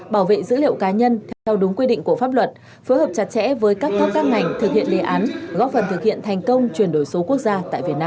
bảo vệ dữ liệu cá nhân theo đúng quy định của pháp luật phối hợp chặt chẽ với các cấp các ngành thực hiện đề án góp phần thực hiện thành công chuyển đổi số quốc gia tại việt nam